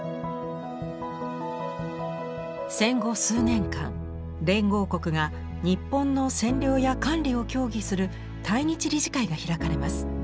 戦後数年間連合国が日本の占領や管理を協議する対日理事会が開かれます。